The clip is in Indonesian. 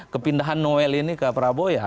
kepindahan noel ini ke praboya